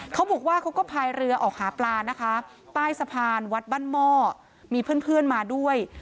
เขาบอกว่าเขาก็พายเรือออกหาปลานะคะใต้สะพานวัดบ้านหม้อมีเพื่อนมาด้วย